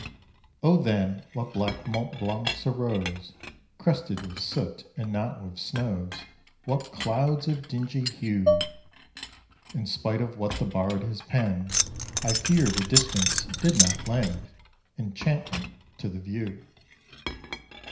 Oh then, what black Mont Blancs arose, Crested with soot, and not with snows: What clouds of dingy hue! In spite of what the bard has penned, I fear the distance did not "lend Enchantment to the view."